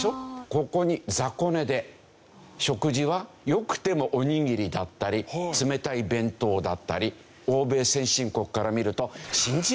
ここに雑魚寝で食事は良くてもおにぎりだったり冷たい弁当だったり欧米先進国から見るとえーっ！